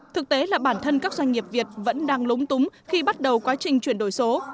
thực tế là bản thân các doanh nghiệp việt vẫn đang lúng túng khi bắt đầu quá trình chuyển đổi số